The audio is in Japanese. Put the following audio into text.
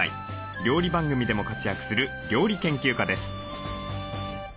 料理番組でも活躍する料理研究家です。